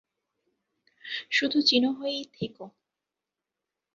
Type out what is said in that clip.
শুধু চিনো হয়েই থেকো।